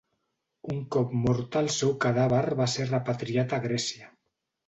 Un cop morta el seu cadàver va ser repatriat a Grècia.